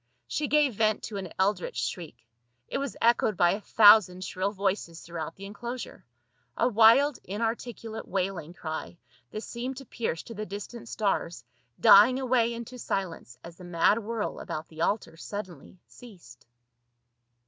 She gave vent to an eldritch shriek ; it was echoed by a thousand shrill voices throughout the enclosure, a wild inarticulate wailing cry that seemed to pierce to the distant stars, dying away into silence as the mad whirl about the altar suddenly ceased.